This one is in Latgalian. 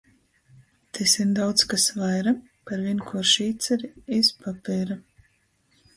Tys ir daudz kas vaira par vīnkuoršu īceri iz papeira.